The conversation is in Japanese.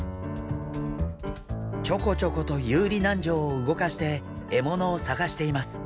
ちょこちょこと遊離軟条を動かして獲物を探しています。